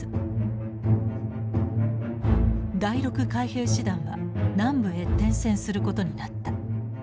第６海兵師団は南部へ転戦することになった。